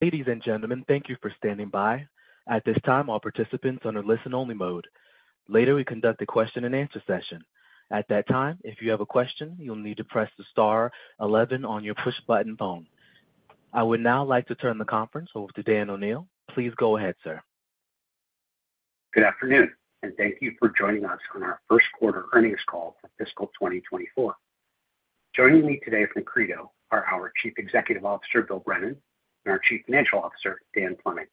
Ladies and gentlemen, thank you for standing by. At this time, all participants are on a listen-only mode. Later, we conduct a question-and-answer session. At that time, if you have a question, you'll need to press the star eleven on your push-button phone. I would now like to turn the conference over to Dan O'Neil. Please go ahead, sir. Good afternoon, and thank you for joining us on our first quarter earnings call for fiscal 2024. Joining me today from Credo are our Chief Executive Officer, Bill Brennan, and our Chief Financial Officer, Dan Fleming.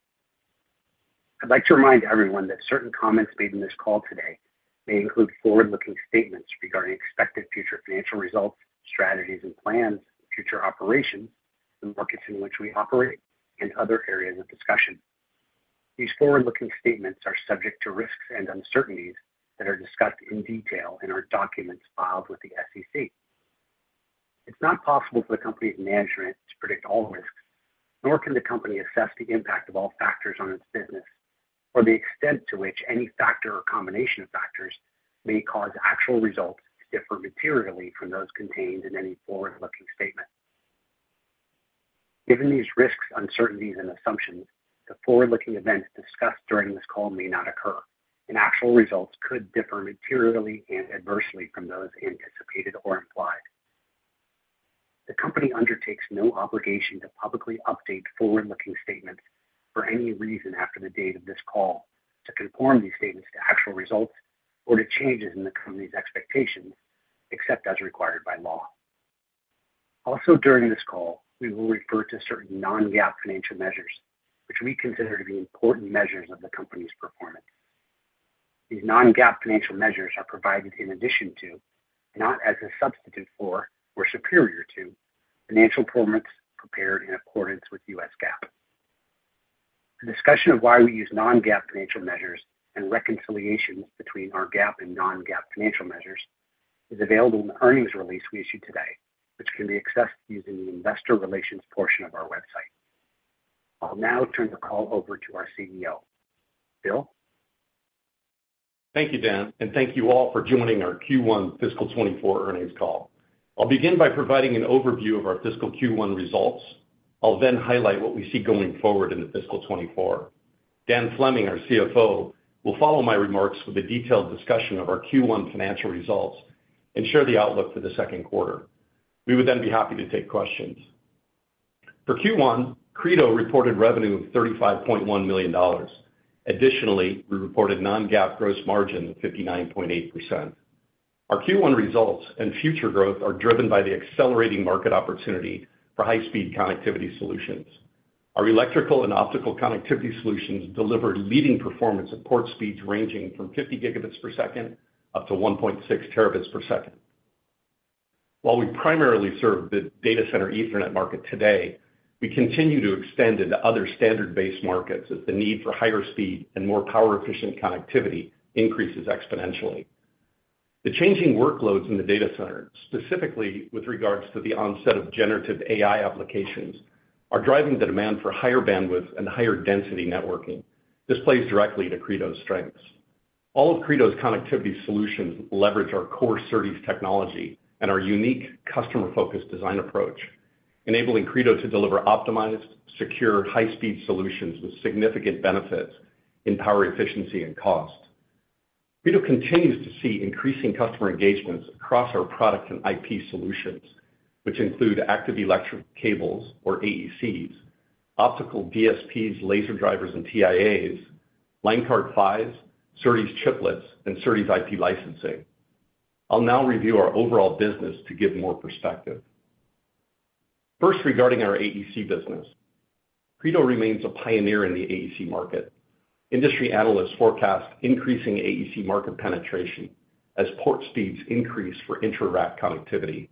I'd like to remind everyone that certain comments made in this call today may include forward-looking statements regarding expected future financial results, strategies and plans, future operations, the markets in which we operate, and other areas of discussion. These forward-looking statements are subject to risks and uncertainties that are discussed in detail in our documents filed with the SEC. It's not possible for the company's management to predict all risks, nor can the company assess the impact of all factors on its business, or the extent to which any factor or combination of factors may cause actual results to differ materially from those contained in any forward-looking statement. Given these risks, uncertainties, and assumptions, the forward-looking events discussed during this call may not occur, and actual results could differ materially and adversely from those anticipated or implied. The company undertakes no obligation to publicly update forward-looking statements for any reason after the date of this call to conform these statements to actual results or to changes in the company's expectations, except as required by law. Also, during this call, we will refer to certain non-GAAP financial measures, which we consider to be important measures of the company's performance. These non-GAAP financial measures are provided in addition to, and not as a substitute for or superior to, financial performance prepared in accordance with U.S. GAAP. A discussion of why we use non-GAAP financial measures and reconciliations between our GAAP and non-GAAP financial measures is available in the earnings release we issued today, which can be accessed using the investor relations portion of our website. I'll now turn the call over to our CEO. Bill? Thank you, Dan, and thank you all for joining our Q1 fiscal 2024 earnings call. I'll begin by providing an overview of our fiscal Q1 results. I'll then highlight what we see going forward into fiscal 2024. Dan Fleming, our CFO, will follow my remarks with a detailed discussion of our Q1 financial results and share the outlook for the second quarter. We would then be happy to take questions. For Q1, Credo reported revenue of $35.1 million. Additionally, we reported non-GAAP gross margin of 59.8%. Our Q1 results and future growth are driven by the accelerating market opportunity for high-speed connectivity solutions. Our electrical and optical connectivity solutions deliver leading performance at port speeds ranging from 50 Gbps up to 1.6 Tbps. While we primarily serve the data center Ethernet market today, we continue to extend into other standard-based markets as the need for higher speed and more power-efficient connectivity increases exponentially. The changing workloads in the data center, specifically with regards to the onset of generative AI applications, are driving the demand for higher bandwidth and higher density networking. This plays directly to Credo's strengths. All of Credo's connectivity solutions leverage our core SerDes technology and our unique customer-focused design approach, enabling Credo to deliver optimized, secure, high-speed solutions with significant benefits in power, efficiency, and cost. Credo continues to see increasing customer engagements across our product and IP solutions, which include active electrical cables, or AECs, optical DSPs, laser drivers, and TIAs, line card PHYs, SerDes chiplets, and SerDes IP licensing. I'll now review our overall business to give more perspective. First, regarding our AEC business. Credo remains a pioneer in the AEC market. Industry analysts forecast increasing AEC market penetration as port speeds increase for intra-rack connectivity.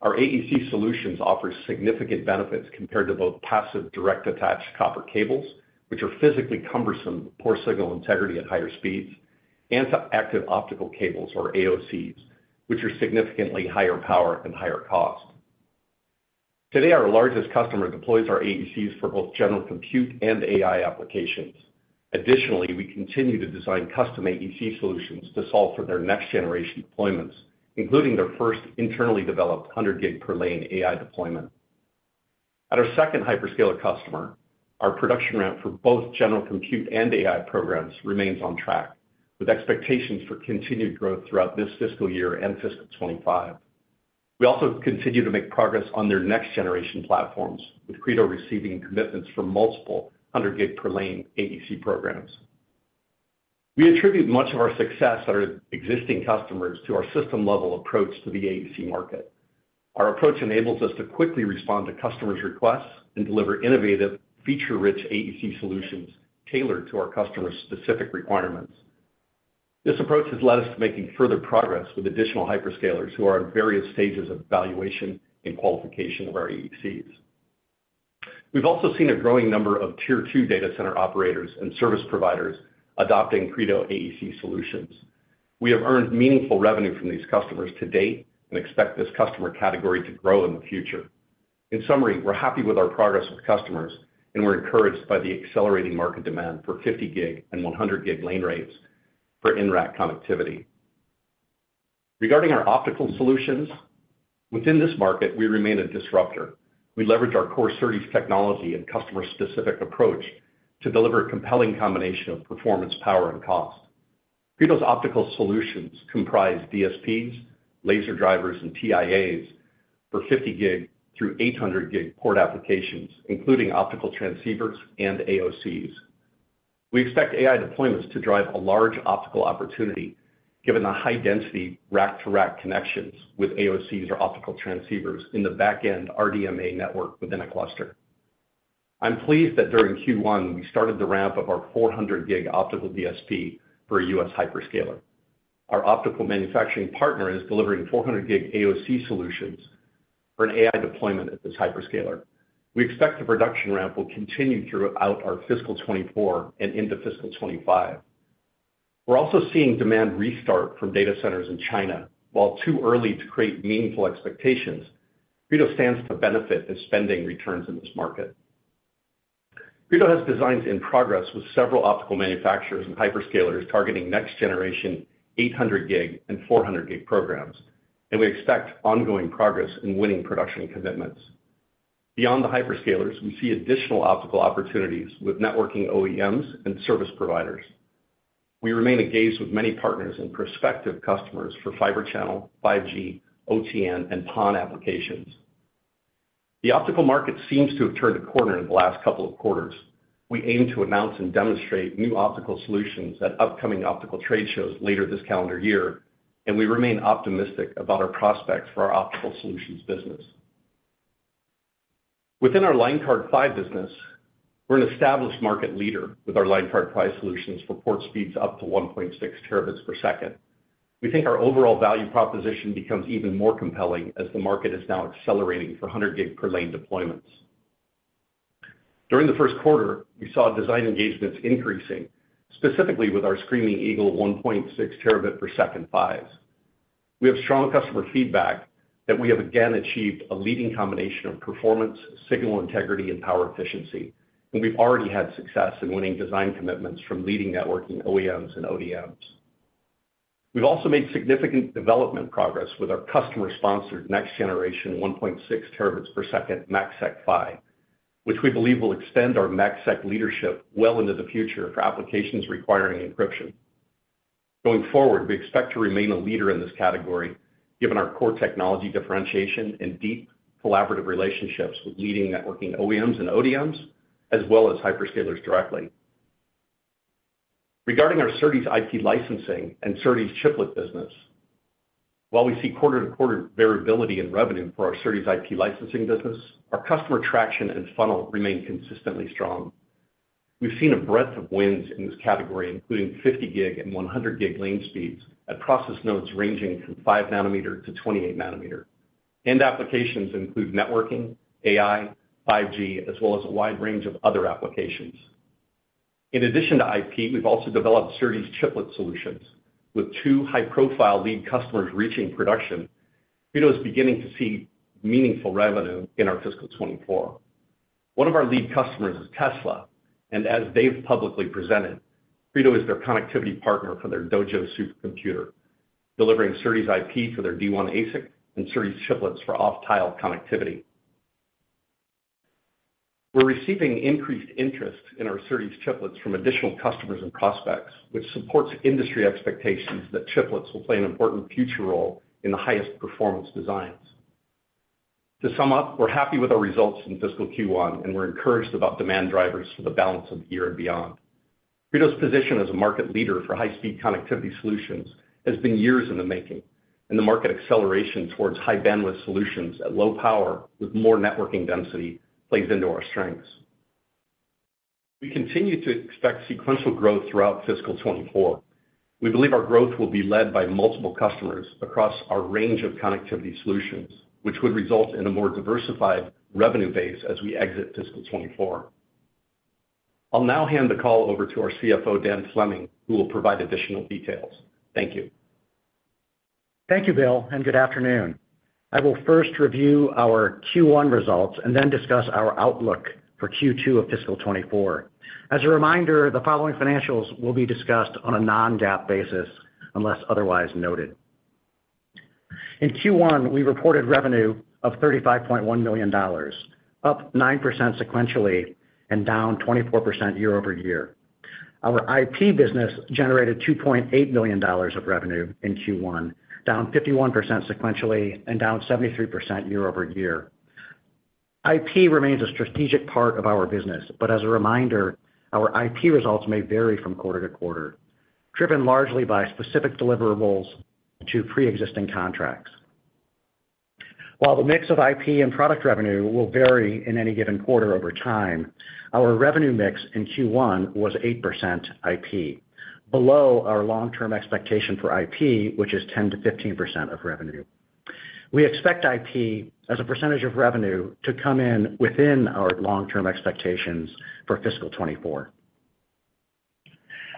Our AEC solutions offer significant benefits compared to both passive direct-attached copper cables, which are physically cumbersome, with poor signal integrity at higher speeds, and to active optical cables, or AOCs, which are significantly higher power and higher cost. Today, our largest customer deploys our AECs for both general compute and AI applications. Additionally, we continue to design custom AEC solutions to solve for their next-generation deployments, including their first internally developed 100 gig per lane AI deployment. At our second hyperscaler customer, our production ramp for both general compute and AI programs remains on track, with expectations for continued growth throughout this fiscal year and fiscal 2025. We also continue to make progress on their next-generation platforms, with Credo receiving commitments from multiple 100 gig per lane AEC programs. We attribute much of our success at our existing customers to our system-level approach to the AEC market. Our approach enables us to quickly respond to customers' requests and deliver innovative, feature-rich AEC solutions tailored to our customers' specific requirements. This approach has led us to making further progress with additional hyperscalers who are at various stages of evaluation and qualification of our AECs. We've also seen a growing number of Tier two data center operators and service providers adopting Credo AEC solutions. We have earned meaningful revenue from these customers to date and expect this customer category to grow in the future. In summary, we're happy with our progress with customers, and we're encouraged by the accelerating market demand for 50 gig and 100 gig lane rates for in-rack connectivity. Regarding our optical solutions, within this market, we remain a disruptor. We leverage our core SerDes technology, and customer-specific approach to deliver a compelling combination of performance, power, and cost. Credo's optical solutions comprise DSPs, laser drivers, and TIAs for 50 gig through 800 gig port applications, including optical transceivers and AOCs. We expect AI deployments to drive a large optical opportunity, given the high-density rack-to-rack connections with AOCs or optical transceivers in the back-end RDMA network within a cluster. I'm pleased that during Q1, we started the ramp of our 400 gig optical DSP for a U.S. hyperscaler. Our optical manufacturing partner is delivering 400 gig AOC solutions for an AI deployment at this hyperscaler. We expect the production ramp will continue throughout our fiscal 2024 and into fiscal 2025. We're also seeing demand restart for data centers in China. While too early to create meaningful expectations, Credo stands to benefit as spending returns in this market. Credo has designs in progress with several optical manufacturers and hyperscalers targeting next-generation 800 gig and 400 gig programs, and we expect ongoing progress in winning production commitments. Beyond the hyperscalers, we see additional optical opportunities with networking OEMs and service providers. We remain engaged with many partners and prospective customers for fiber channel, 5G, OTN, and PON applications. The optical market seems to have turned a corner in the last couple of quarters. We aim to announce and demonstrate new optical solutions at upcoming optical trade shows later this calendar year, and we remain optimistic about our prospects for our optical solutions business. Within our line card PHY business, we're an established market leader with our line card PHY solutions for port speeds up to 1.6 terabits per second. We think our overall value proposition becomes even more compelling as the market is now accelerating for 100 gig per lane deployments. During the first quarter, we saw design engagements increasing, specifically with our Screaming Eagle 1.6 Tb per second PHYs. We have strong customer feedback that we have again achieved a leading combination of performance, signal integrity, and power efficiency, and we've already had success in winning design commitments from leading networking OEMs and ODMs. We've also made significant development progress with our customer-sponsored next-generation 1.6 terabits per second MACsec PHY, which we believe will extend our MACsec leadership well into the future for applications requiring encryption. Going forward, we expect to remain a leader in this category, given our core technology differentiation and deep collaborative relationships with leading networking OEMs and ODMs, as well as hyperscalers directly. Regarding our SerDes IP licensing and SerDes chiplet business, while we see quarter-to-quarter variability in revenue for our SerDes IP licensing business, our customer traction and funnel remain consistently strong. We've seen a breadth of wins in this category, including 50 gig and 100 gig lane speeds at process nodes ranging from 5 nm to 28 nm. End applications include networking, AI, 5G, as well as a wide range of other applications. In addition to IP, we've also developed SerDes chiplet solutions with two high-profile lead customers reaching production. It is beginning to see meaningful revenue in our fiscal 2024. One of our lead customers is Tesla, and as they've publicly presented, Credo is their connectivity partner for their Dojo supercomputer, delivering SerDes IP for their D1 ASIC and SerDes chiplets for off-tile connectivity. We're receiving increased interest in our SerDes chiplets from additional customers and prospects, which supports industry expectations that chiplets will play an important future role in the highest performance designs. To sum up, we're happy with our results in fiscal Q1, and we're encouraged about demand drivers for the balance of the year and beyond. Credo's position as a market leader for high-speed connectivity solutions has been years in the making, and the market acceleration towards high-bandwidth solutions at low power with more networking density plays into our strengths. We continue to expect sequential growth throughout fiscal 2024. We believe our growth will be led by multiple customers across our range of connectivity solutions, which would result in a more diversified revenue base as we exit fiscal 2024. I'll now hand the call over to our CFO, Dan Fleming, who will provide additional details. Thank you. Thank you, Bill, and good afternoon. I will first review our Q1 results and then discuss our outlook for Q2 of fiscal 2024. As a reminder, the following financials will be discussed on a non-GAAP basis, unless otherwise noted. In Q1, we reported revenue of $35.1 million, up 9% sequentially and down 24% year-over-year. Our IP business generated $2.8 million of revenue in Q1, down 51% sequentially and down 73% year-over-year. IP remains a strategic part of our business, but as a reminder, our IP results may vary from quarter to quarter, driven largely by specific deliverables to pre-existing contracts. While the mix of IP and product revenue will vary in any given quarter over time, our revenue mix in Q1 was 8% IP, below our long-term expectation for IP, which is 10%-15% of revenue. We expect IP as a percentage of revenue to come in within our long-term expectations for fiscal 2024.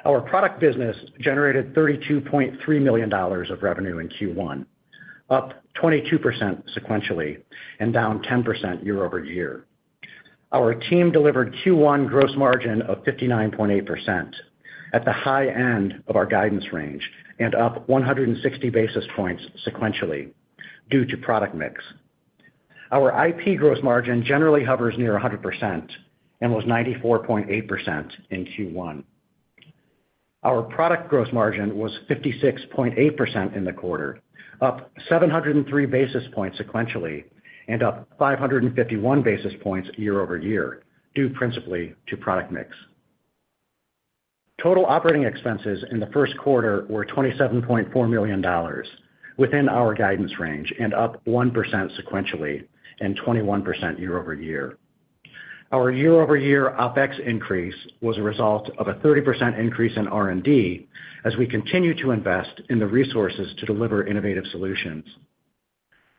Our product business generated $32.3 million of revenue in Q1, up 22% sequentially and down 10% year-over-year. Our team delivered Q1 gross margin of 59.8%, at the high end of our guidance range, and up 160 basis points sequentially due to product mix. Our IP gross margin generally hovers near 100% and was 94.8% in Q1. Our product gross margin was 56.8% in the quarter, up 703 basis points sequentially, and up 551 basis points year-over-year, due principally to product mix. Total operating expenses in the first quarter were $27.4 million, within our guidance range, and up 1% sequentially and 21% year-over-year. Our year-over-year OpEx increase was a result of a 30% increase in R&D as we continue to invest in the resources to deliver innovative solutions.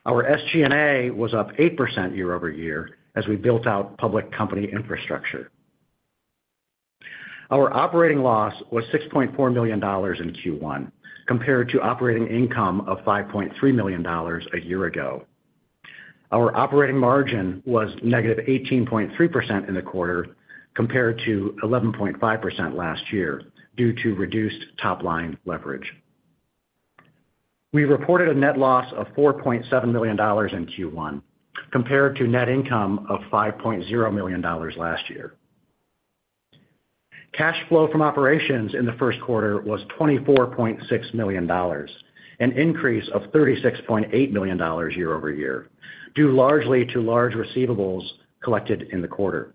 Our SG&A was up 8% year-over-year as we built out public company infrastructure. Our operating loss was $6.4 million in Q1, compared to operating income of $5.3 million a year ago. Our operating margin was -18.3% in the quarter, compared to 11.5% last year, due to reduced top line leverage. We reported a net loss of $4.7 million in Q1, compared to net income of $5.0 million last year. Cash flow from operations in the first quarter was $24.6 million, an increase of $36.8 million year-over-year, due largely to large receivables collected in the quarter.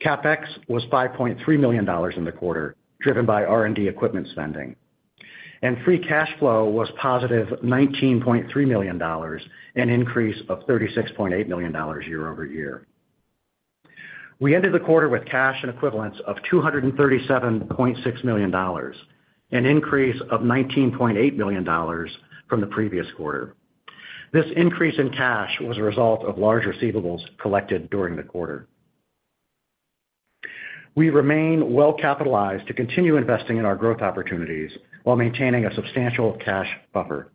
CapEx was $5.3 million in the quarter, driven by R&D equipment spending, and free cash flow was positive $19.3 million, an increase of $36.8 million year-over-year. We ended the quarter with cash and equivalents of $237.6 million, an increase of $19.8 million from the previous quarter. This increase in cash was a result of large receivables collected during the quarter. We remain well capitalized to continue investing in our growth opportunities while maintaining a substantial cash buffer.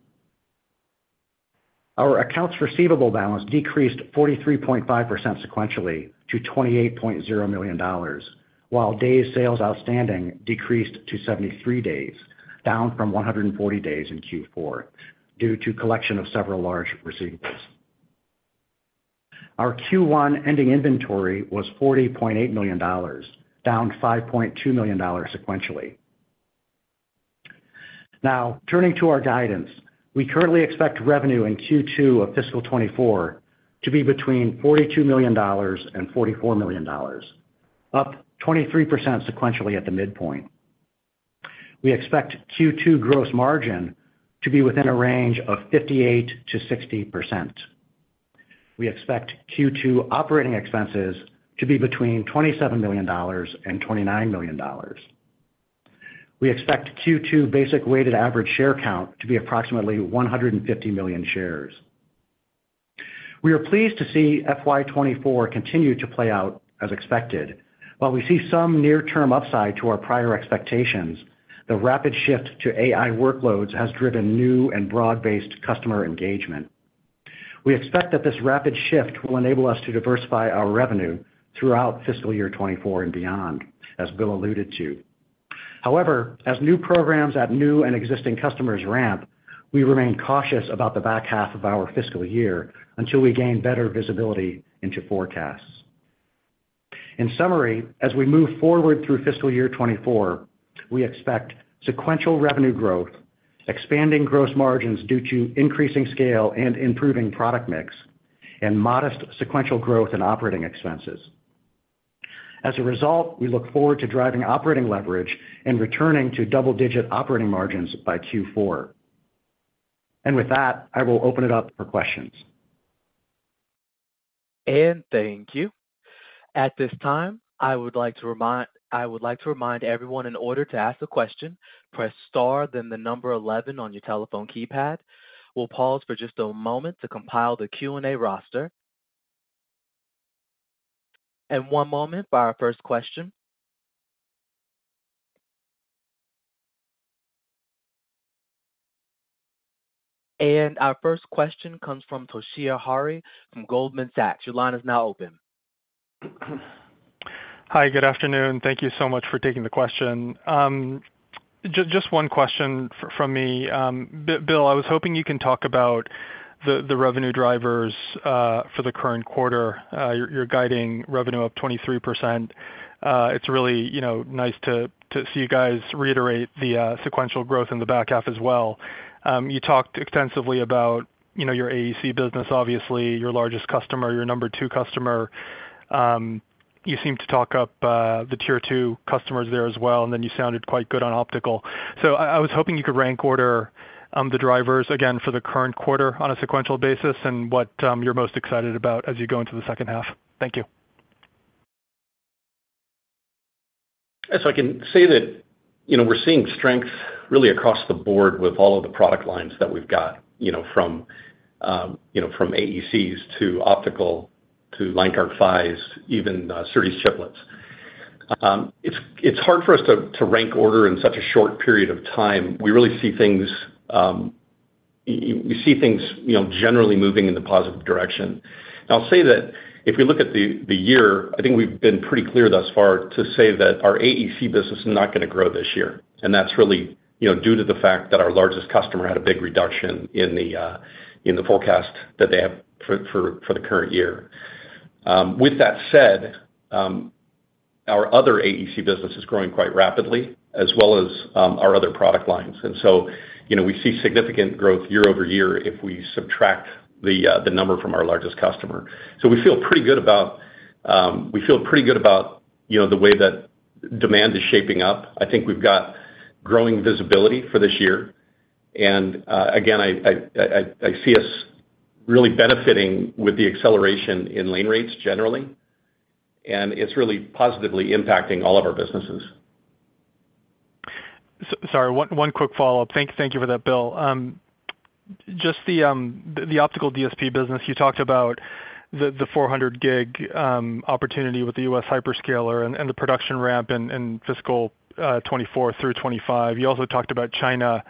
Our accounts receivable balance decreased 43.5% sequentially to $28.0 million, while days sales outstanding decreased to 73 days, down from 140 days in Q4, due to collection of several large receivables. Our Q1 ending inventory was $40.8 million, down $5.2 million sequentially. Now, turning to our guidance. We currently expect revenue in Q2 of fiscal 2024 to be between $42 million and $44 million, up 23% sequentially at the midpoint. We expect Q2 gross margin to be within a range of 58%-60%. We expect Q2 operating expenses to be between $27 million and $29 million. We expect Q2 basic weighted average share count to be approximately 150 million shares. We are pleased to see FY 2024 continue to play out as expected. While we see some near-term upside to our prior expectations, the rapid shift to AI workloads has driven new and broad-based customer engagement. We expect that this rapid shift will enable us to diversify our revenue throughout fiscal year 2024 and beyond, as Bill alluded to. However, as new programs at new and existing customers ramp, we remain cautious about the back half of our fiscal year until we gain better visibility into forecasts. In summary, as we move forward through fiscal year 2024, we expect sequential revenue growth, expanding gross margins due to increasing scale and improving product mix, and modest sequential growth in operating expenses. As a result, we look forward to driving operating leverage and returning to double-digit operating margins by Q4. With that, I will open it up for questions. Thank you. At this time, I would like to remind everyone, in order to ask a question, press star, then the number one one on your telephone keypad. We'll pause for just a moment to compile the Q&A roster. One moment for our first question. Our first question comes from Toshiya Hari from Goldman Sachs. Your line is now open. Hi, good afternoon. Thank you so much for taking the question. Just one question from me. Bill, I was hoping you can talk about the revenue drivers for the current quarter. You're guiding revenue up 23%. It's really, you know, nice to see you guys reiterate the sequential growth in the back half as well. You talked extensively about, you know, your AEC business, obviously your largest customer, your number two customer. You seem to talk up the tier two customers there as well, and then you sounded quite good on optical. So I was hoping you could rank order the drivers again for the current quarter on a sequential basis and what you're most excited about as you go into the second half. Thank you. I can say that, you know, we're seeing strength really across the board with all of the product lines that we've got, you know, from, you know, from AECs to optical to line card PHYs, even SerDes chiplets. It's hard for us to rank order in such a short period of time. We really see things, we see things, you know, generally moving in the positive direction. I'll say that if you look at the year, I think we've been pretty clear thus far to say that our AEC business is not going to grow this year, and that's really, you know, due to the fact that our largest customer had a big reduction in the forecast that they have for the current year. With that said, our other AEC business is growing quite rapidly as well as our other product lines. And so, you know, we see significant growth year-over-year if we subtract the number from our largest customer. So we feel pretty good about, you know, the way that demand is shaping up. I think we've got growing visibility for this year. Again, I see us really benefiting with the acceleration in lane rates generally, and it's really positively impacting all of our businesses. Sorry, one quick follow-up. Thank you for that, Bill. Just the optical DSP business, you talked about the 400 gig opportunity with the U.S. hyperscaler and the production ramp in fiscal 2024 through 2025. You also talked about China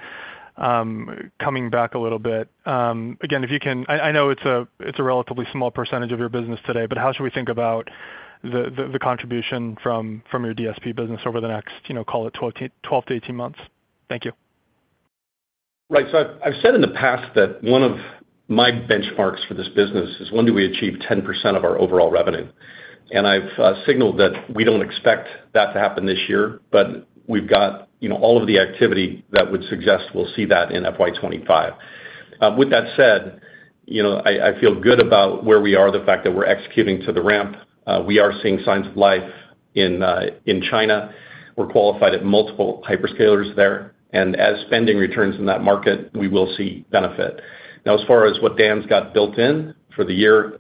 coming back a little bit. Again, if you can—I know it's a relatively small percentage of your business today, but how should we think about the contribution from your DSP business over the next, you know, call it 12-18 months? Thank you. Right. So I've said in the past that one of my benchmarks for this business is when do we achieve 10% of our overall revenue? And I've signaled that we don't expect that to happen this year, but we've got, you know, all of the activity that would suggest we'll see that in FY 2025. With that said, you know, I feel good about where we are, the fact that we're executing to the ramp. We are seeing signs of life in China. We're qualified at multiple hyperscalers there, and as spending returns in that market, we will see benefit. Now, as far as what Dan's got built in for the year,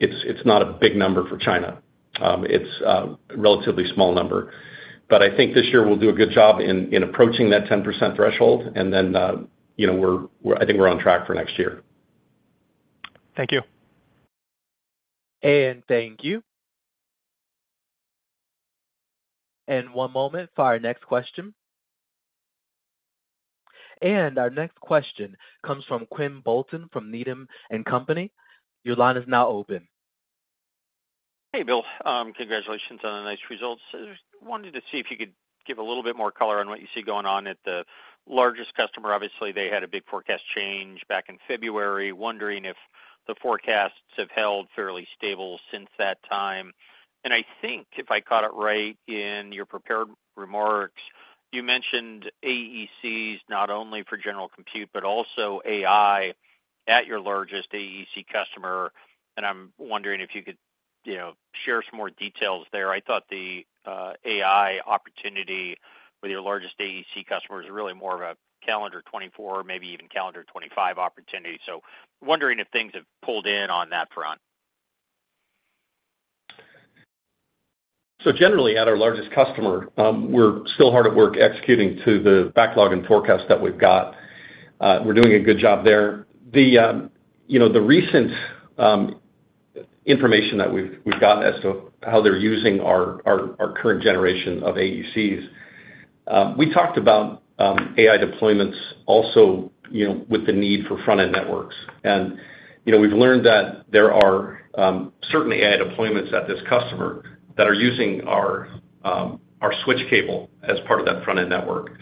it's not a big number for China. It's a relatively small number. But I think this year we'll do a good job in approaching that 10% threshold, and then, you know, I think we're on track for next year. Thank you. Thank you. One moment for our next question. Our next question comes from Quinn Bolton from Needham & Company. Your line is now open. Hey, Bill. Congratulations on the nice results. I just wanted to see if you could give a little bit more color on what you see going on at the largest customer. Obviously, they had a big forecast change back in February. Wondering if the forecasts have held fairly stable since that time. And I think if I caught it right in your prepared remarks, you mentioned AECs, not only for general compute, but also AI at your largest AEC customer, and I'm wondering if you could, you know, share some more details there. I thought the AI opportunity with your largest AEC customer is really more of a calendar 2024, maybe even calendar 2025 opportunity. So wondering if things have pulled in on that front. So generally, at our largest customer, we're still hard at work executing to the backlog and forecast that we've got. We're doing a good job there. You know, the recent information that we've got as to how they're using our current generation of AECs, we talked about AI deployments also, you know, with the need for front-end networks. And, you know, we've learned that there are certainly AI deployments at this customer that are using our switch cable as part of that front-end network.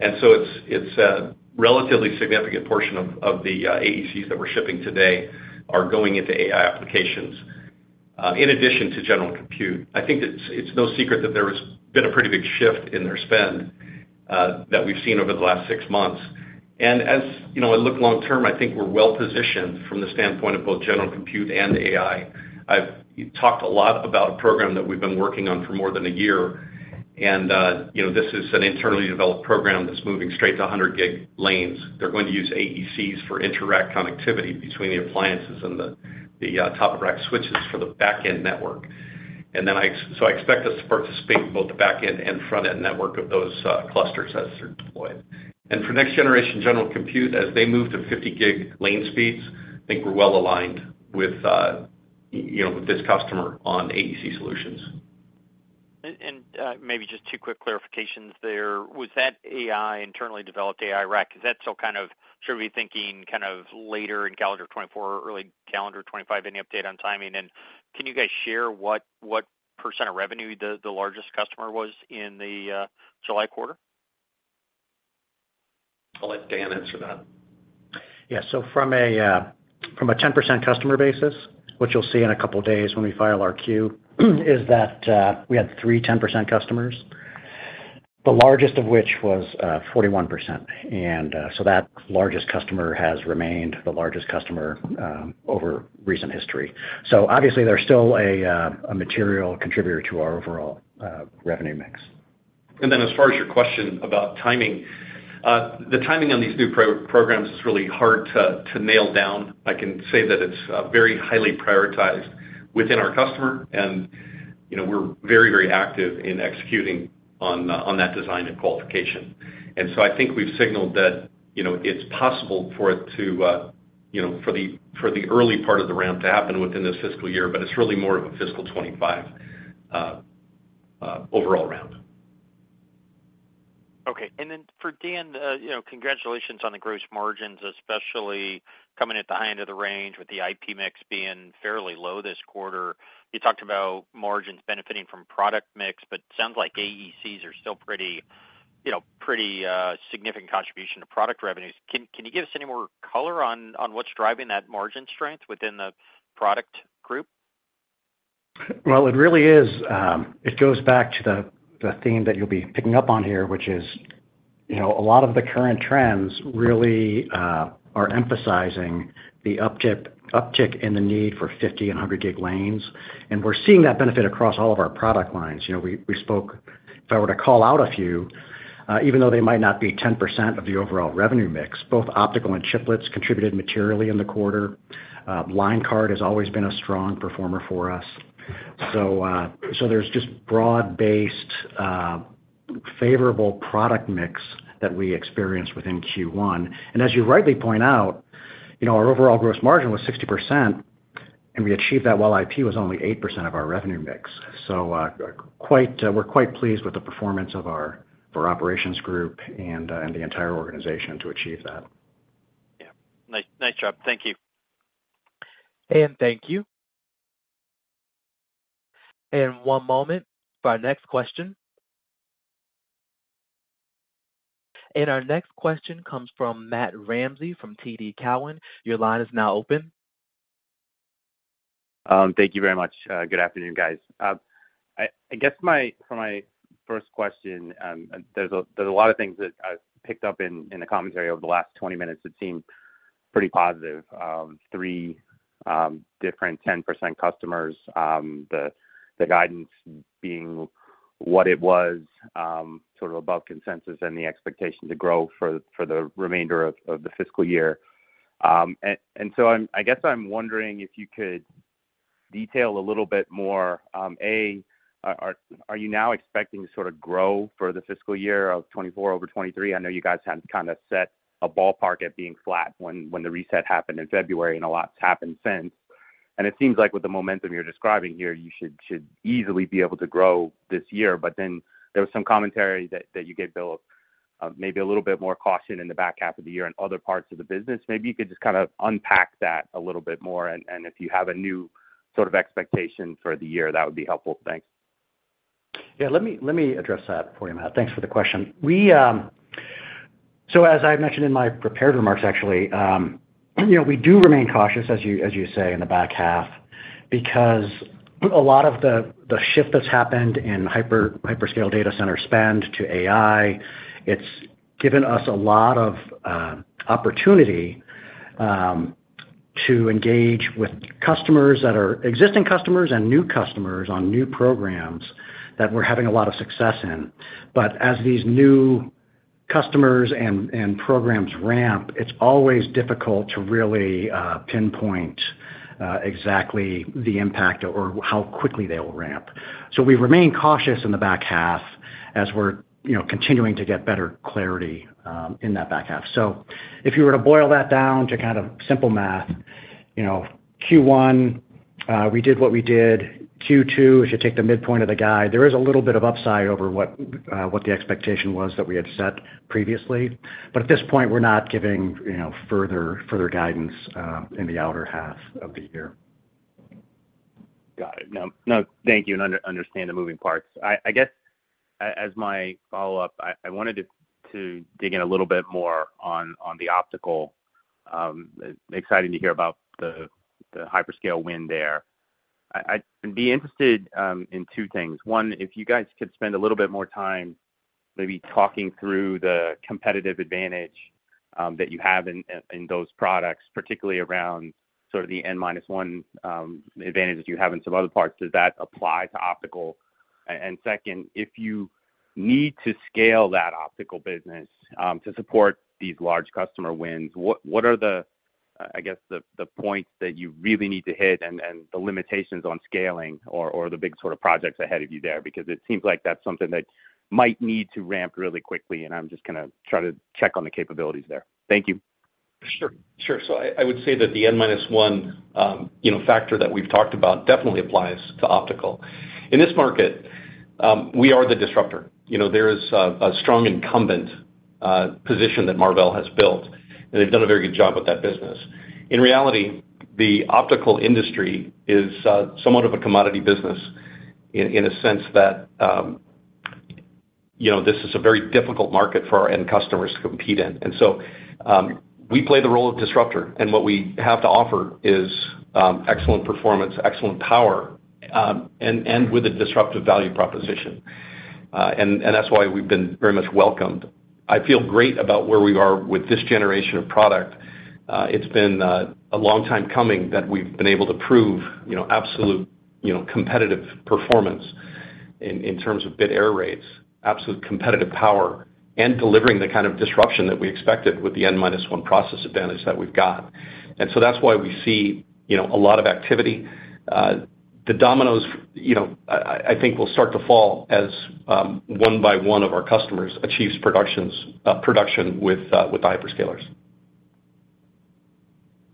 And so it's a relatively significant portion of the AECs that we're shipping today are going into AI applications in addition to general compute. I think it's no secret that there has been a pretty big shift in their spend that we've seen over the last 6 months. And as you know, I look long term, I think we're well positioned from the standpoint of both general compute and AI. I've talked a lot about a program that we've been working on for more than a year, and, you know, this is an internally developed program that's moving straight to 100 gig lanes. They're going to use AECs for intra-rack connectivity between the appliances and the top-of-rack switches for the back-end network. And then, so I expect us to participate in both the back-end and front-end network of those clusters as they're deployed. For next generation general compute, as they move to 50 gig lane speeds, I think we're well aligned with, you know, with this customer on AEC solutions. Maybe just two quick clarifications there. Was that AI internally developed AI rack? Is that still kind of, should we be thinking kind of later in calendar 2024 or early calendar 2025? Any update on timing? And can you guys share what percent of revenue the largest customer was in the July quarter? I'll let Dan answer that. Yeah. So from a 10% customer basis, what you'll see in a couple of days when we file our Q, is that we had three 10% customers, the largest of which was 41%. And so that largest customer has remained the largest customer over recent history. So obviously, there's still a material contributor to our overall revenue mix. Then as far as your question about timing, the timing on these new programs is really hard to nail down. I can say that it's very highly prioritized within our customer, and, you know, we're very, very active in executing on that design and qualification. And so I think we've signaled that, you know, it's possible for it to, you know, for the early part of the ramp to happen within this fiscal year, but it's really more of a fiscal 2025 overall ramp. Okay. And then for Dan, you know, congratulations on the gross margins, especially coming at the high end of the range with the IP mix being fairly low this quarter. You talked about margins benefiting from product mix, but sounds like AECs are still pretty, you know, pretty significant contribution to product revenues. Can you give us any more color on what's driving that margin strength within the product group? Well, it really is. It goes back to the theme that you'll be picking up on here, which is, you know, a lot of the current trends really are emphasizing the uptick in the need for 50 and 100 gig lanes, and we're seeing that benefit across all of our product lines. You know, we spoke. If I were to call out a few, even though they might not be 10% of the overall revenue mix, both optical and chiplets contributed materially in the quarter. Line card has always been a strong performer for us. So, so there's just broad-based, favorable product mix that we experienced within Q1. And as you rightly point out, you know, our overall gross margin was 60%, and we achieved that while IP was only 8% of our revenue mix. We're quite pleased with the performance of our operations group and the entire organization to achieve that. Yeah. Nice, nice job. Thank you. Thank you. One moment for our next question. Our next question comes from Matt Ramsey, from TD Cowen. Your line is now open. Thank you very much. Good afternoon, guys. I guess my first question, there's a lot of things that I've picked up in the commentary over the last 20 minutes that seem pretty positive. Three different 10% customers, the guidance being what it was, sort of above consensus and the expectation to grow for the remainder of the fiscal year. And so I'm wondering if you could detail a little bit more, A, are you now expecting to sort of grow for the fiscal year of 2024 over 2023? I know you guys had kind of set a ballpark at being flat when the reset happened in February, and a lot's happened since. It seems like with the momentum you're describing here, you should easily be able to grow this year. But then there was some commentary that you gave, Bill, of maybe a little bit more caution in the back half of the year on other parts of the business. Maybe you could just kind of unpack that a little bit more, and if you have a new sort of expectation for the year, that would be helpful. Thanks. Yeah, let me, let me address that for you, Matt. Thanks for the question. So as I mentioned in my prepared remarks, actually, you know, we do remain cautious, as you, as you say, in the back half, because a lot of the shift that's happened in hyperscale data center spend to AI, it's given us a lot of opportunity to engage with customers that are existing customers and new customers on new programs that we're having a lot of success in. But as these new customers and programs ramp, it's always difficult to really pinpoint exactly the impact or how quickly they will ramp. So we remain cautious in the back half as we're, you know, continuing to get better clarity in that back half. So if you were to boil that down to kind of simple math, you know, Q1, we did what we did. Q2, if you take the midpoint of the guide, there is a little bit of upside over what, what the expectation was that we had set previously. But at this point, we're not giving, you know, further, further guidance in the outer half of the year. Got it. No, no, thank you. And understand the moving parts. I guess as my follow-up, I wanted to dig in a little bit more on the optical. Exciting to hear about the hyperscale win there. I'd be interested in two things. One, if you guys could spend a little bit more time maybe talking through the competitive advantage that you have in those products, particularly around sort of the N minus one advantage that you have in some other parts, does that apply to optical? Second, if you need to scale that optical business to support these large customer wins, what are the, I guess, the points that you really need to hit and the limitations on scaling or the big sort of projects ahead of you there? Because it seems like that's something that might need to ramp really quickly, and I'm just gonna try to check on the capabilities there. Thank you. Sure, sure. So I, I would say that the N minus one, you know, factor that we've talked about definitely applies to optical. In this market, we are the disruptor. You know, there is a strong incumbent position that Marvell has built, and they've done a very good job with that business. In reality, the optical industry is somewhat of a commodity business in a sense that, you know, this is a very difficult market for our end customers to compete in. And so, we play the role of disruptor, and what we have to offer is excellent performance, excellent power, and with a disruptive value proposition. And that's why we've been very much welcomed. I feel great about where we are with this generation of product. It's been a long time coming that we've been able to prove, you know, absolute, you know, competitive performance in, in terms of bit error rates, absolute competitive power, and delivering the kind of disruption that we expected with the N minus one process advantage that we've got. And so that's why we see, you know, a lot of activity. The dominoes, you know, I think will start to fall as one by one of our customers achieves production with the hyperscalers.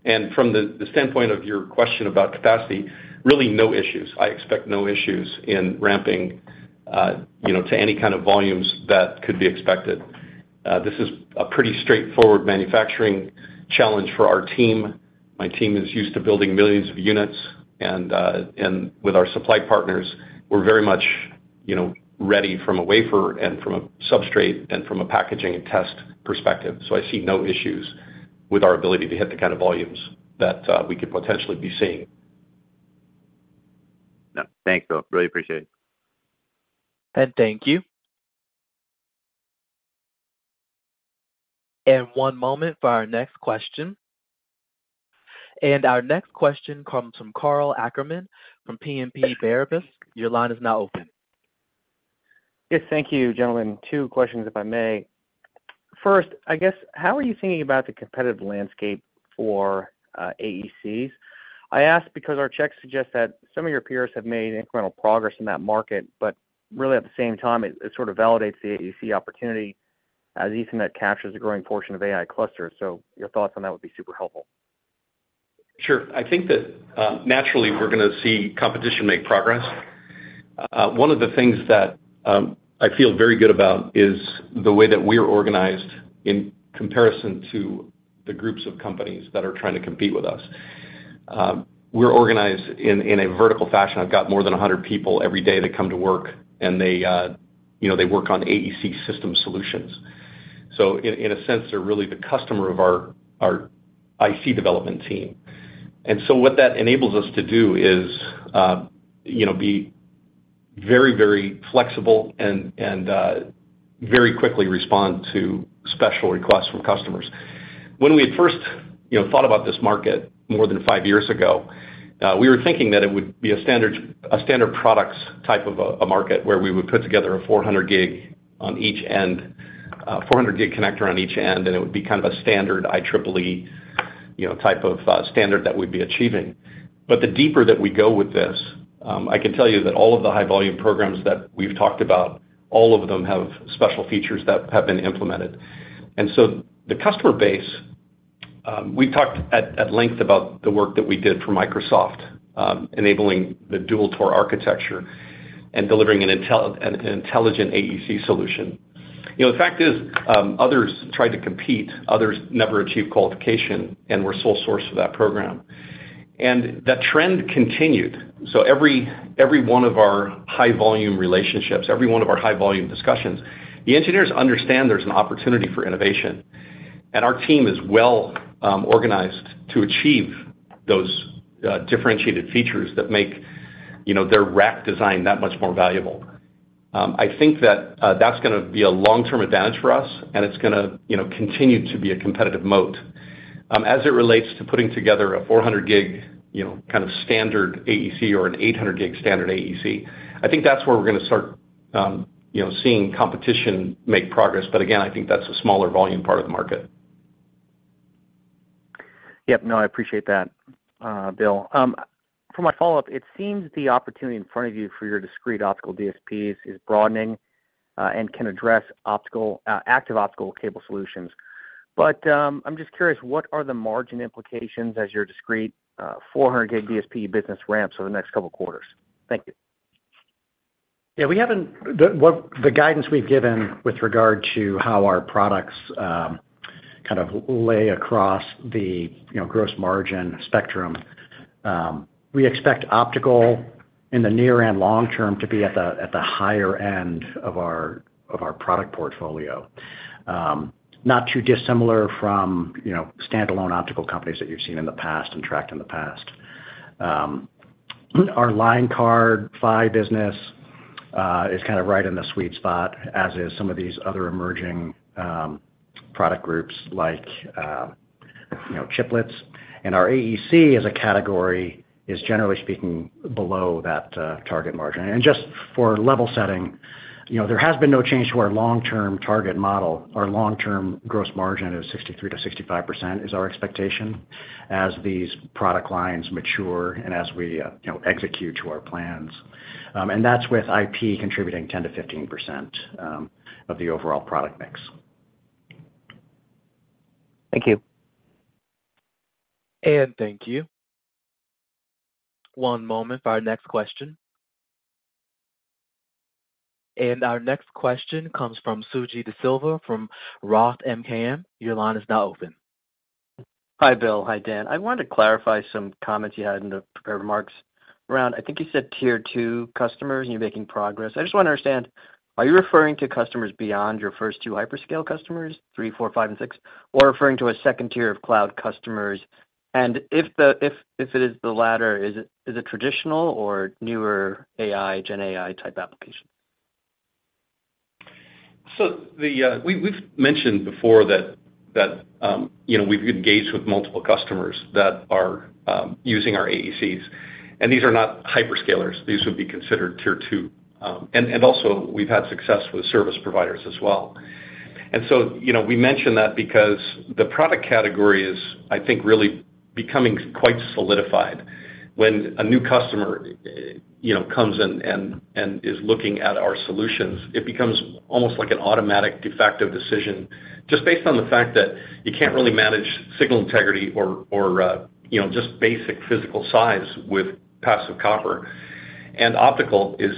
And from the standpoint of your question about capacity, really no issues. I expect no issues in ramping, you know, to any kind of volumes that could be expected. This is a pretty straightforward manufacturing challenge for our team. My team is used to building millions of units, and with our supply partners, we're very much, you know, ready from a wafer and from a substrate and from a packaging and test perspective. So I see no issues with our ability to hit the kind of volumes that we could potentially be seeing. Yeah. Thanks, Bill. Really appreciate it. And thank you. One moment for our next question. Our next question comes from Karl Ackerman from BNP Paribas. Your line is now open. Yes, thank you, gentlemen. Two questions, if I may. First, I guess, how are you thinking about the competitive landscape for AECs? I ask because our checks suggest that some of your peers have made incremental progress in that market, but really, at the same time, it, it sort of validates the AEC opportunity as Ethernet captures a growing portion of AI clusters. So your thoughts on that would be super helpful. Sure. I think that, naturally we're gonna see competition make progress. One of the things that I feel very good about is the way that we're organized in comparison to the groups of companies that are trying to compete with us. We're organized in a vertical fashion. I've got more than 100 people every day that come to work, and they, you know, they work on AEC system solutions. So in a sense, they're really the customer of our IC development team. And so what that enables us to do is, you know, be very, very flexible and very quickly respond to special requests from customers. When we had first, you know, thought about this market more than five years ago, we were thinking that it would be a standard products type of a market, where we would put together a 400 gig on each end, 400 gig connector on each end, and it would be kind of a standard IEEE, you know, type of standard that we'd be achieving. But the deeper that we go with this, I can tell you that all of the high volume programs that we've talked about, all of them have special features that have been implemented. And so the customer base, we've talked at length about the work that we did for Microsoft, enabling the dual ToR architecture and delivering an intelligent AEC solution. You know, the fact is, others tried to compete, others never achieved qualification, and we're sole source of that program. And that trend continued. So every, every one of our high volume relationships, every one of our high volume discussions, the engineers understand there's an opportunity for innovation, and our team is well organized to achieve those differentiated features that make, you know, their rack design that much more valuable. I think that that's gonna be a long-term advantage for us, and it's gonna, you know, continue to be a competitive moat. As it relates to putting together a 400 gig, you know, kind of standard AEC or an 800 gig standard AEC, I think that's where we're gonna start, you know, seeing competition make progress. But again, I think that's a smaller volume part of the market. Yep. No, I appreciate that, Bill. For my follow-up, it seems the opportunity in front of you for your discrete Optical DSPs is broadening, and can address optical, active optical cable solutions. But, I'm just curious, what are the margin implications as your discrete, 400 gig DSP business ramps over the next couple of quarters? Thank you. Yeah, the guidance we've given with regard to how our products kind of lay across the, you know, gross margin spectrum, we expect optical in the near and long term to be at the higher end of our product portfolio. Not too dissimilar from, you know, standalone optical companies that you've seen in the past and tracked in the past. Our line card PHY business is kind of right in the sweet spot, as is some of these other emerging product groups like, you know, chiplets. And our AEC as a category is, generally speaking, below that target margin. And just for level setting, you know, there has been no change to our long-term target model. Our long-term gross margin of 63%-65% is our expectation as these product lines mature and as we, you know, execute to our plans. That's with IP contributing 10%-15% of the overall product mix. Thank you. Thank you. One moment for our next question. Our next question comes from Suji Desilva from Roth MKM. Your line is now open. Hi, Bill. Hi, Dan. I wanted to clarify some comments you had in the prepared remarks around... I think you said tier two customers, and you're making progress. I just wanna understand, are you referring to customers beyond your first two hyperscale customers, three, four, five, and six, or referring to a second tier of cloud customers? And if it is the latter, is it traditional or newer AI, Gen AI-type application? So we've mentioned before that you know, we've engaged with multiple customers that are using our AECs, and these are not hyperscalers. These would be considered tier two. And also, we've had success with service providers as well. And so, you know, we mention that because the product category is, I think, really becoming quite solidified. When a new customer, you know, comes in and is looking at our solutions, it becomes almost like an automatic de facto decision, just based on the fact that you can't really manage signal integrity or you know, just basic physical size with passive copper. And optical is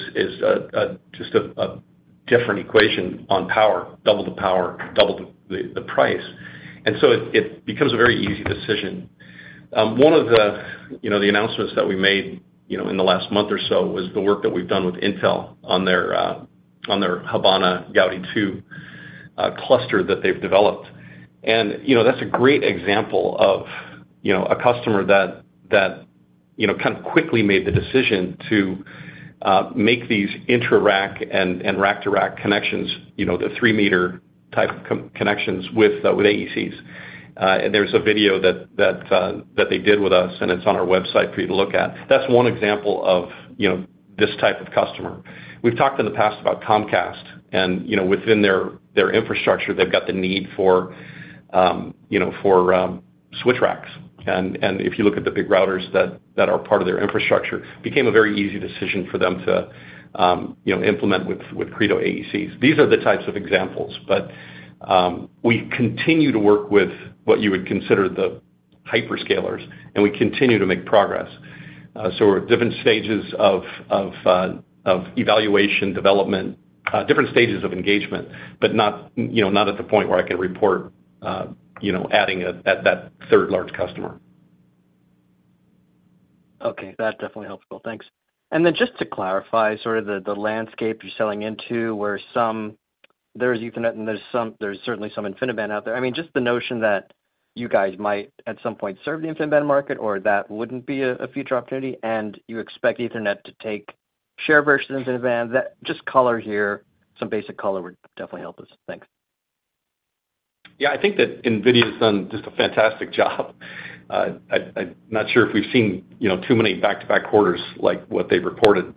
just a different equation on power, double the power, double the price. And so it becomes a very easy decision. One of the, you know, the announcements that we made, you know, in the last month or so was the work that we've done with Intel on their Habana Gaudi 2 cluster that they've developed. You know, that's a great example of, you know, a customer that you know kind of quickly made the decision to make these intra-rack and rack-to-rack connections, you know, the 3 m type connections with AECs. There's a video that they did with us, and it's on our website for you to look at. That's one example of, you know, this type of customer. We've talked in the past about Comcast and, you know, within their infrastructure, they've got the need for, you know, switch racks. If you look at the big routers that are part of their infrastructure, became a very easy decision for them to, you know, implement with Credo AECs. These are the types of examples. But we continue to work with what you would consider the hyperscalers, and we continue to make progress. So we're at different stages of evaluation, development, different stages of engagement, but not, you know, not at the point where I can report, you know, adding at that third large customer. Okay, that's definitely helpful. Thanks. And then just to clarify sort of the landscape you're selling into, where there's Ethernet and there's certainly some InfiniBand out there. I mean, just the notion that you guys might, at some point, serve the InfiniBand market or that wouldn't be a future opportunity, and you expect Ethernet to take share versus InfiniBand, that, just color here, some basic color would definitely help us. Thanks. Yeah, I think that NVIDIA's done just a fantastic job. I, I'm not sure if we've seen, you know, too many back-to-back quarters like what they've reported.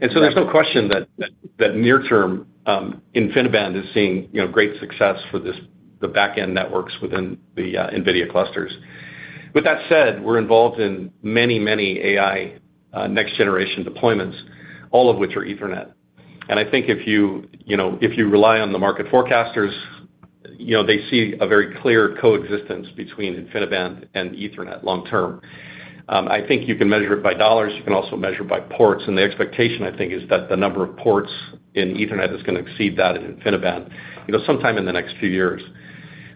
And so there's no question that, that, that near term, InfiniBand is seeing, you know, great success for this, the back-end networks within the, NVIDIA clusters. With that said, we're involved in many, many AI, next-generation deployments, all of which are Ethernet. And I think if you, you know, if you rely on the market forecasters, you know, they see a very clear coexistence between InfiniBand and Ethernet long term. I think you can measure it by dollars, you can also measure it by ports, and the expectation, I think, is that the number of ports in Ethernet is gonna exceed that in InfiniBand, you know, sometime in the next few years.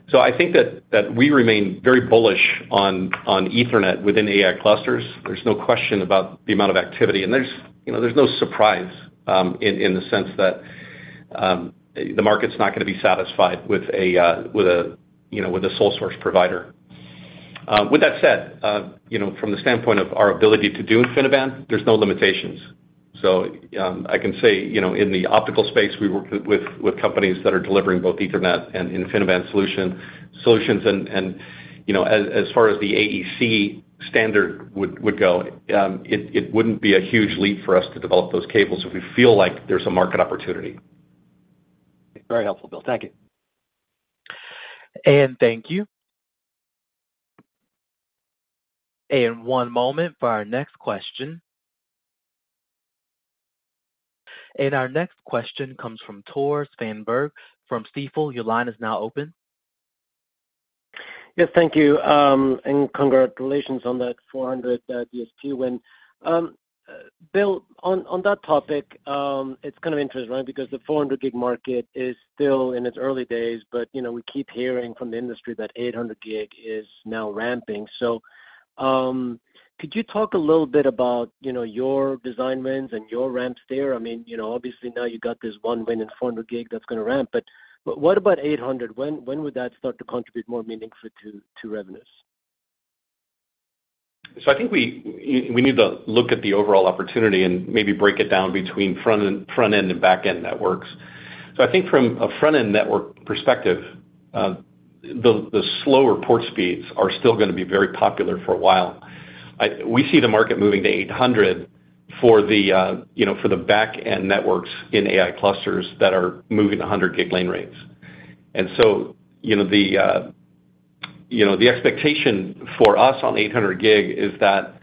So I think that we remain very bullish on Ethernet within AI clusters. There's no question about the amount of activity, and there's, you know, there's no surprise, in the sense that, the market's not gonna be satisfied with a, you know, with a sole source provider. With that said, you know, from the standpoint of our ability to do InfiniBand, there's no limitations. So, I can say, you know, in the optical space, we work with companies that are delivering both Ethernet and InfiniBand solutions. And, you know, as far as the AEC standard would go, it wouldn't be a huge leap for us to develop those cables if we feel like there's a market opportunity. Very helpful, Bill. Thank you. And thank you. And one moment for our next question. And our next question comes from Tore Svanberg from Stifel. Your line is now open. Yes, thank you. And congratulations on that 400 DSP win. Bill, on that topic, it's kind of interesting, right? Because the 400 gig market is still in its early days, but, you know, we keep hearing from the industry that 800 gig is now ramping. So, could you talk a little bit about, you know, your design wins and your ramps there? I mean, you know, obviously now you got this one win in 400 gig that's gonna ramp, but what about 800? When would that start to contribute more meaningfully to revenues? So I think we need to look at the overall opportunity and maybe break it down between front-end and back-end networks. So I think from a front-end network perspective, the slower port speeds are still gonna be very popular for a while. We see the market moving to 800 for the, you know, for the back-end networks in AI clusters that are moving a 100 gig lane rates. And so, you know, the expectation for us on the 800 gig is that,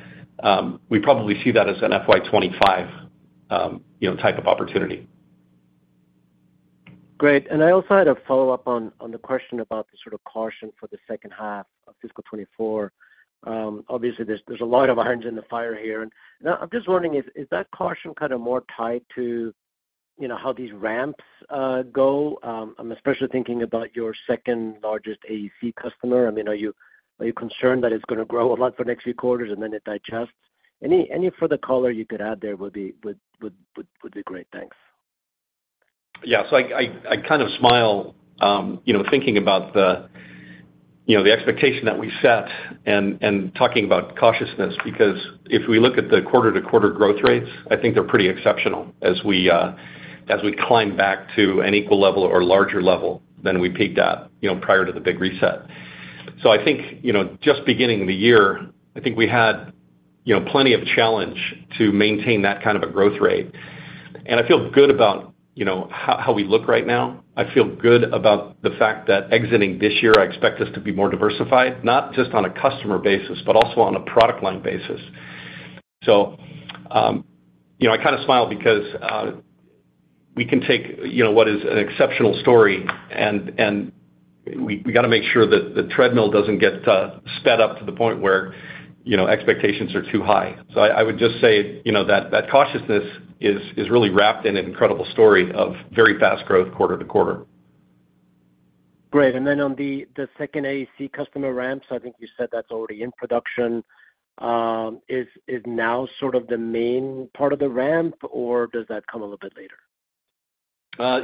we probably see that as an FY 2025, you know, type of opportunity. Great. And I also had a follow-up on the question about the sort of caution for the second half of fiscal 2024. Obviously, there's a lot of irons in the fire here. And I'm just wondering, is that caution kind of more tied to, you know, how these ramps go? I'm especially thinking about your second-largest AEC customer. I mean, are you concerned that it's gonna grow a lot for the next few quarters and then it digests? Any further color you could add there would be great. Thanks. Yeah, so I kind of smile, you know, thinking about the, you know, the expectation that we set and talking about cautiousness, because if we look at the quarter-to-quarter growth rates, I think they're pretty exceptional as we climb back to an equal level or larger level than we peaked at, you know, prior to the big reset. So I think, you know, just beginning the year, I think we had you know, plenty of challenge to maintain that kind of a growth rate. And I feel good about, you know, how we look right now. I feel good about the fact that exiting this year, I expect us to be more diversified, not just on a customer basis, but also on a product line basis. So, you know, I kind of smile because we can take, you know, what is an exceptional story, and we got to make sure that the treadmill doesn't get sped up to the point where, you know, expectations are too high. So I would just say, you know, that that cautiousness is really wrapped in an incredible story of very fast growth quarter to quarter. Great. And then on the second AEC customer ramps, I think you said that's already in production. Is now sort of the main part of the ramp, or does that come a little bit later?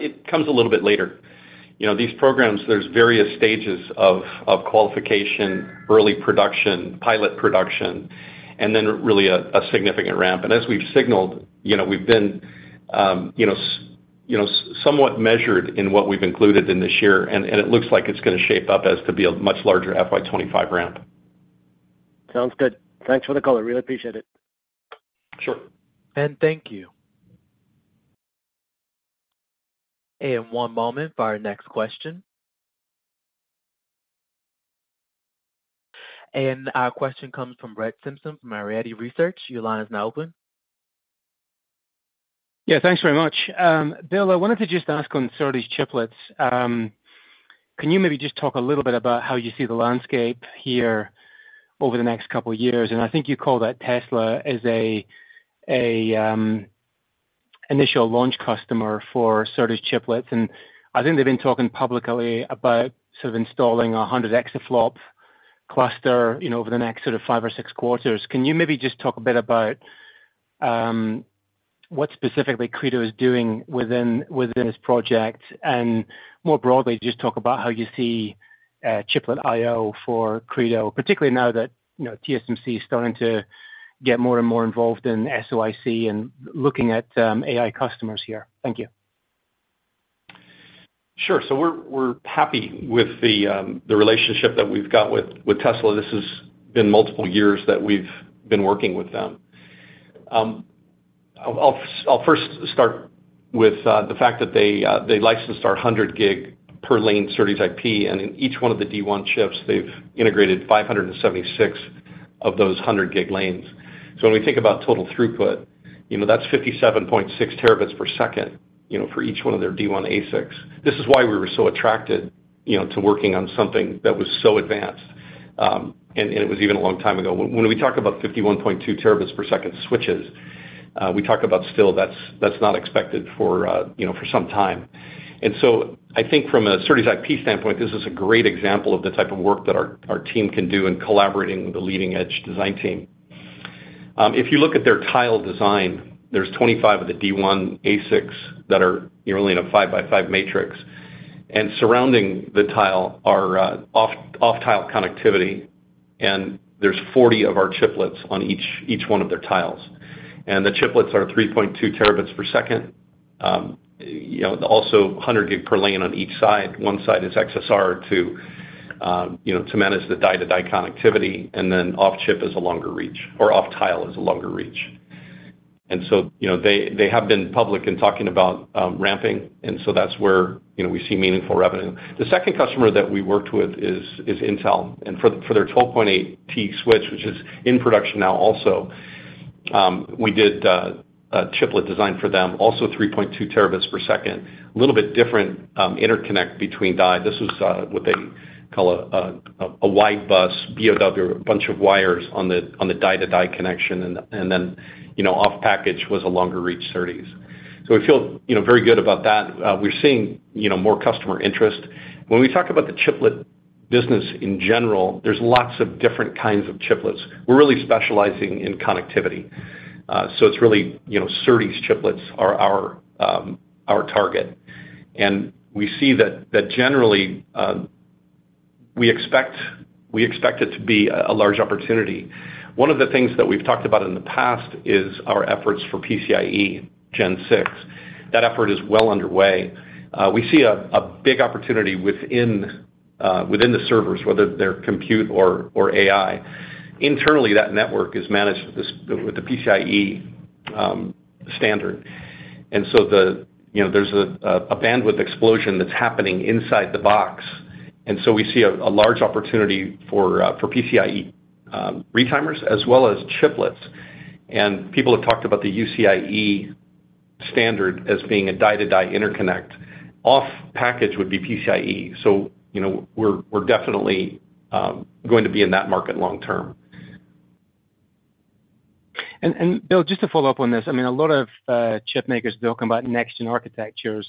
It comes a little bit later. You know, these programs, there's various stages of qualification, early production, pilot production, and then really a significant ramp. And as we've signaled, you know, we've been, you know, somewhat measured in what we've included in this year, and it looks like it's going to shape up as to be a much larger FY 2025 ramp. Sounds good. Thanks for the call. I really appreciate it. Sure. Thank you. One moment for our next question. Our question comes from Brett Simpson from Arete Research. Your line is now open. Yeah, thanks very much. Bill, I wanted to just ask on SerDes chiplets. Can you maybe just talk a little bit about how you see the landscape here over the next couple of years? And I think you called out Tesla as an initial launch customer for SerDes chiplets, and I think they've been talking publicly about sort of installing a 100 exaflop cluster, you know, over the next sort of five or six quarters. Can you maybe just talk a bit about what specifically Credo is doing within this project? And more broadly, just talk about how you see chiplet I/O for Credo, particularly now that, you know, TSMC is starting to get more and more involved in SoIC and looking at AI customers here. Thank you. Sure. So we're happy with the relationship that we've got with Tesla. This has been multiple years that we've been working with them. I'll first start with the fact that they licensed our 100 gig per lane SerDes IP, and in each one of the D1 chips, they've integrated 576 of those 100 gig lanes. So when we think about total throughput, you know, that's 57.6 Tbps, you know, for each one of their D1 ASICs. This is why we were so attracted, you know, to working on something that was so advanced, and it was even a long time ago. When we talk about 51.2 Tbps switches, we talk about still that's not expected for, you know, for some time. I think from a SerDes IP standpoint, this is a great example of the type of work that our team can do in collaborating with a leading-edge design team. If you look at their tile design, there's 25 of the D1 ASICs that are really in a 5-by-5 matrix. Surrounding the tile are off-tile connectivity, and there's 40 of our chiplets on each one of their tiles. The chiplets are 3.2 Tbps, you know, also 100 Gbps per lane on each side. One side is XSR to, you know, to manage the die-to-die connectivity, and then off-chip is a longer reach, or off-tile is a longer reach. So, you know, they have been public in talking about ramping, and so that's where, you know, we see meaningful revenue. The second customer that we worked with is Intel, and for their 12.8 T switch, which is in production now also, we did a chiplet design for them, also 3.2 Tbps. A little bit different interconnect between die. This was what they call a wide bus, BOW, a bunch of wires on the die-to-die connection, and then, you know, off package was a longer reach SerDes. So we feel, you know, very good about that. We're seeing, you know, more customer interest. When we talk about the chiplet business in general, there's lots of different kinds of chiplets. We're really specializing in connectivity. So it's really, you know, SerDes chiplets are our target. And we see that generally we expect it to be a large opportunity. One of the things that we've talked about in the past is our efforts for PCIe Gen 6. That effort is well underway. We see a big opportunity within the servers, whether they're compute or AI. Internally, that network is managed with the PCIe standard. And so you know, there's a bandwidth explosion that's happening inside the box, and so we see a large opportunity for PCIe retimers as well as chiplets. And people have talked about the UCIe standard as being a die-to-die interconnect. Off package would be PCIe, so you know, we're definitely going to be in that market long term. Bill, just to follow up on this, I mean, a lot of chip makers are talking about next-gen architectures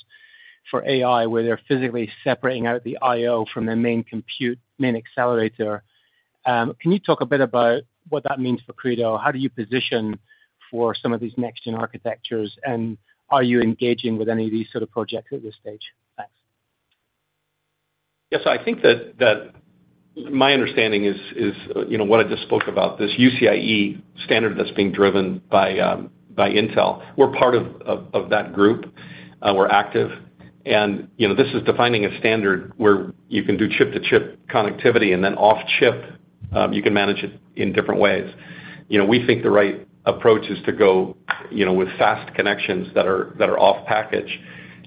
for AI, where they're physically separating out the I/O from their main compute, main accelerator. Can you talk a bit about what that means for Credo? How do you position for some of these next-gen architectures, and are you engaging with any of these sort of projects at this stage? Thanks. Yes, I think that my understanding is, you know, what I just spoke about, this UCIe standard that's being driven by Intel. We're part of that group. We're active. And, you know, this is defining a standard where you know, you can do chip-to-chip connectivity, and then off chip, you can manage it in different ways. You know, we think the right approach is to go, you know, with fast connections that are off package.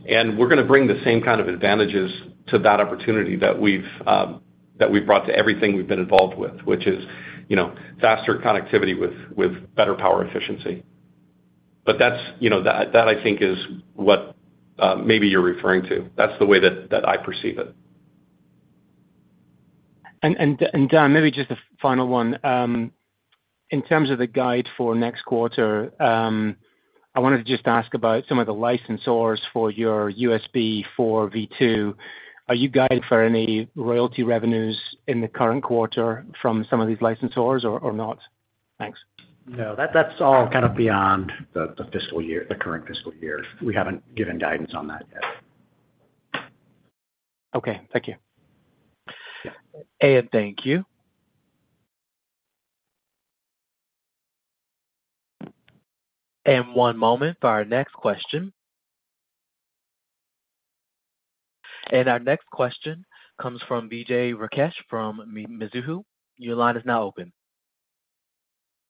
And we're gonna bring the same kind of advantages to that opportunity that we've brought to everything we've been involved with, which is, you know, faster connectivity with better power efficiency. But that's, you know, that I think, is what maybe you're referring to. That's the way that I perceive it. Dan, maybe just a final one. In terms of the guide for next quarter, I wanted to just ask about some of the licensors for your USB4 V2. Are you guided for any royalty revenues in the current quarter from some of these licensors or, or not? Thanks. No, that's all kind of beyond the fiscal year, the current fiscal year. We haven't given guidance on that yet. Okay, thank you. Thank you. One moment for our next question. Our next question comes from Vijay Rakesh from Mizuho. Your line is now open.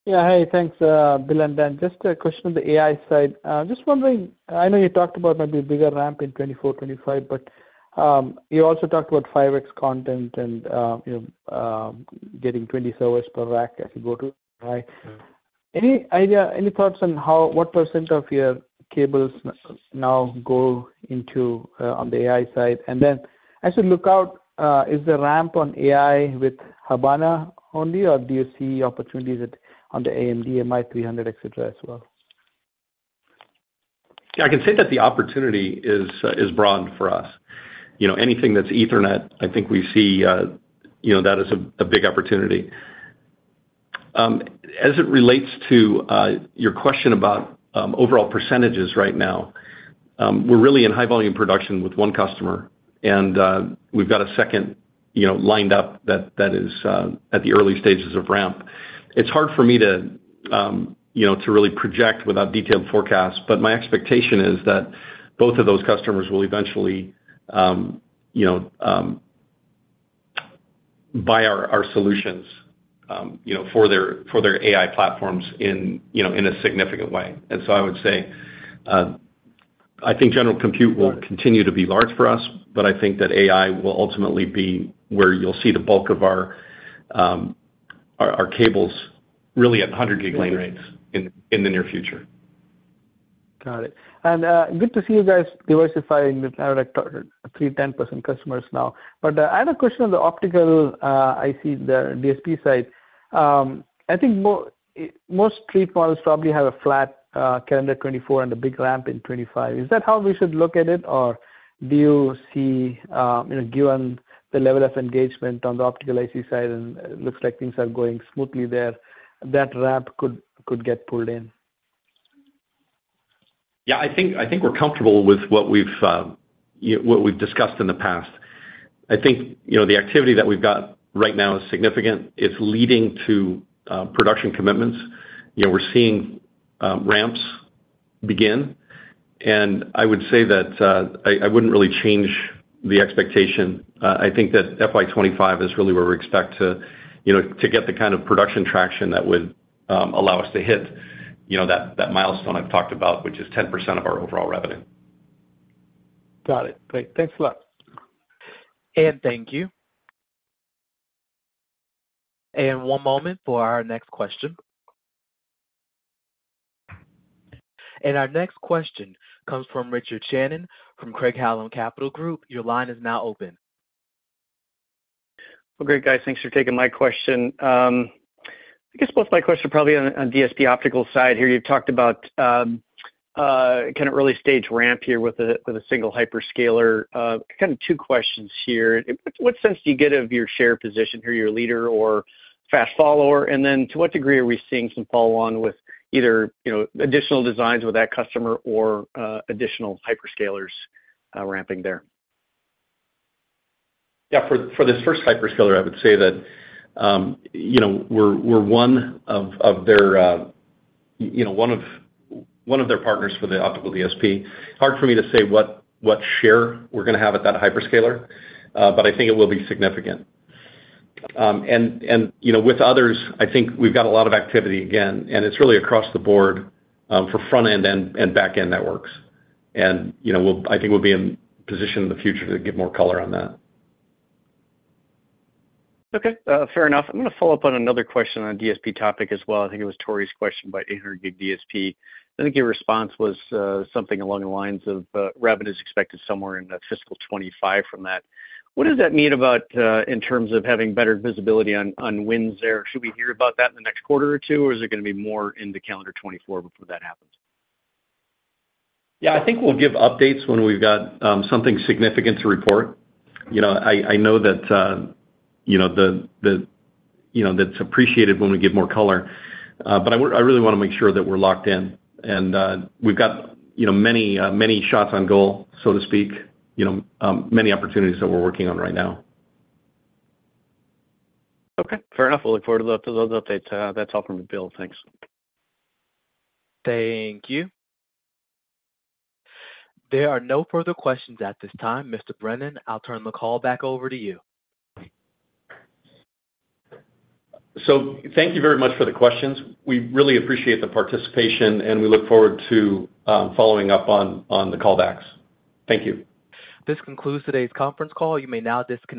Yeah. Hey, thanks, Bill and Dan. Just a question on the AI side. Just wondering, I know you talked about maybe a bigger ramp in 2024, 2025, but you also talked about 5x content and, you know, getting 20 servers per rack as you go to one. Any idea, any thoughts on how what percent of your cables now go into on the AI side? And then as you look out, is the ramp on AI with Habana only, or do you see opportunities at on the AMD MI300, etc., as well? Yeah, I can say that the opportunity is broad for us. You know, anything that's Ethernet, I think we see, you know, that as a big opportunity. As it relates to your question about overall percentages right now, we're really in high volume production with one customer, and we've got a second, you know, lined up that that is at the early stages of ramp. It's hard for me to, you know, to really project without detailed forecasts, but my expectation is that both of those customers will eventually, you know, buy our solutions, you know, for their AI platforms in a significant way. I would say, I think general compute will continue to be large for us, but I think that AI will ultimately be where you'll see the bulk of our cables really at 100 gig lane rates in the near future. Got it. Good to see you guys diversifying with our top three 10% customers now. But, I had a question on the optical, I see the DSP side. I think most street models probably have a flat, calendar 2024 and a big ramp in 2025. Is that how we should look at it, or do you see, you know, given the level of engagement on the optical IC side and it looks like things are going smoothly there, that ramp could get pulled in? Yeah, I think, I think we're comfortable with what we've, yeah, what we've discussed in the past. I think, you know, the activity that we've got right now is significant. It's leading to production commitments. You know, we're seeing ramps begin, and I would say that I, I wouldn't really change the expectation. I think that FY 2025 is really where we expect to, you know, to get the kind of production traction that would allow us to hit, you know, that, that milestone I've talked about, which is 10% of our overall revenue. Got it. Great. Thanks a lot. Thank you. One moment for our next question. Our next question comes from Richard Shannon from Craig-Hallum Capital Group. Your line is now open. Well, great, guys. Thanks for taking my question. I guess both my questions are probably on the DSP optical side here. You've talked about kind of early stage ramp here with a single hyperscaler. Kind of two questions here. What sense do you get of your share position? Are you a leader or fast follower? And then, to what degree are we seeing some follow-on with either, you know, additional designs with that customer or additional hyperscalers ramping there? Yeah, for this first hyperscaler, I would say that, you know, we're one of their partners for the optical DSP. Hard for me to say what share we're gonna have at that hyperscaler, but I think it will be significant. And, you know, with others, I think we've got a lot of activity again, and it's really across the board, for front-end and back-end networks. And, you know, we'll, I think we'll be in position in the future to give more color on that. Okay, fair enough. I'm gonna follow up on another question on DSP topic as well. I think it was Tor's question about 800 gig DSP. I think your response was something along the lines of revenue is expected somewhere in the fiscal 2025 from that. What does that mean about in terms of having better visibility on wins there? Should we hear about that in the next quarter or two, or is it gonna be more into calendar 2024 before that happens? Yeah, I think we'll give updates when we've got something significant to report. You know, I know that you know that's appreciated when we give more color, but I really wanna make sure that we're locked in. And we've got, you know, many many shots on goal, so to speak, you know, many opportunities that we're working on right now. Okay, fair enough. We'll look forward to those updates. That's all from me, Bill. Thanks. Thank you. There are no further questions at this time. Mr. Brennan, I'll turn the call back over to you. Thank you very much for the questions. We really appreciate the participation, and we look forward to following up on the call backs. Thank you. This concludes today's conference call. You may now disconnect.